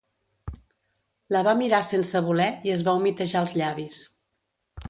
La va mirar sense voler i es va humitejar els llavis.